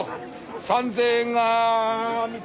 ３，０００円が３つ。